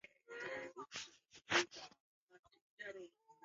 anaona yupo kaskazini hasa kuliko wote kwa hiyo akiwaita watu wa Shinyanga ni wa